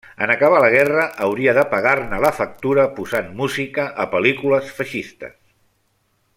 En acabar la guerra hauria de pagar-ne la factura posant música a pel·lícules feixistes.